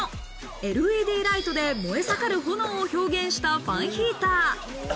ＬＥＤライトで燃えさかる炎を表現したファンヒーター。